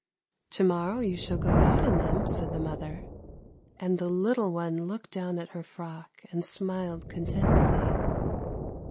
' To morrow you shall go out in them,' said the mother; and the little one looked down at her frock and smiled contentedly.